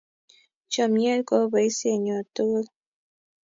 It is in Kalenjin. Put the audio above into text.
Chomnyet ko boisyenyo tugul.